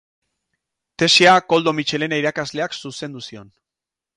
Tesia Koldo Mitxelena irakasleak zuzendu zion.